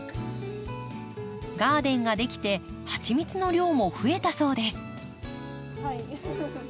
ガーデンが出来てハチミツの量も増えたそうです。